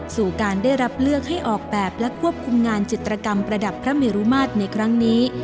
สู่การได้รับเลือกให้ออกแบบและควบคุมงานจิตรกรรมประดับพระเมรุมาตรในครั้งนี้